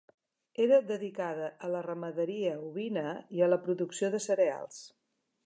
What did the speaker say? Era dedicada a la ramaderia ovina i a la producció de cereals.